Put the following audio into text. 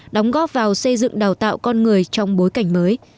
đóng góp vào xây dựng đào tạo con người trong bối cảnh mới